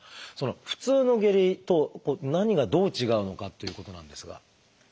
普通の下痢と何がどう違うのかっていうことなんですが。